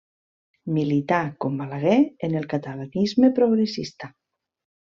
Milità, com Balaguer, en el catalanisme progressista.